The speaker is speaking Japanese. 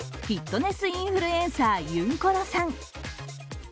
フィットネスインフルエンサー、ゆんころさん。